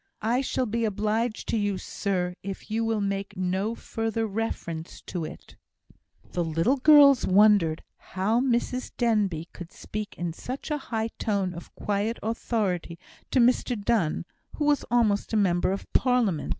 I shall be obliged to you, sir, if you will make no further reference to it." The little girls wondered how Mrs Denbigh could speak in such a tone of quiet authority to Mr Donne, who was almost a member of Parliament.